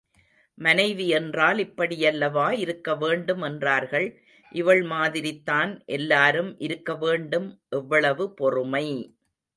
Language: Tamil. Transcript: மனைவி என்றால் இப்படியல்லவா இருக்க வேண்டும் என்றார்கள். இவள் மாதிரி தான் எல்லாரும் இருக்க வேண்டும் எவ்வளவு பொறுமை!